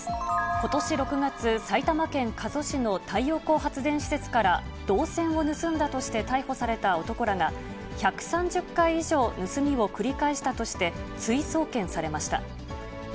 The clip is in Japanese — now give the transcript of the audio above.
ことし６月、埼玉県加須市の太陽光発電施設から、銅線を盗んだとして逮捕された男らが、１３０回以上、盗みを繰り返したとして、追送検されました。